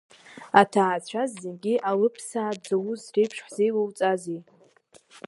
Аҭаацәа зегьы алыԥсаа дзоуз реиԥш ҳзеилоуҵазеи?